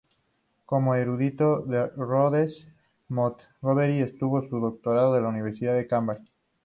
Como erudito de Rhodes, Montgomery obtuvo su doctorado de la Universidad de Cambridge.